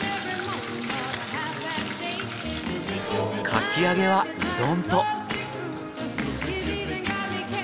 かき揚げはうどんと。